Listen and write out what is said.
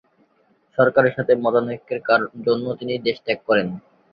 সরকারের সাথে মতানৈক্যের জন্য তিনি দেশ ত্যাগ করেন।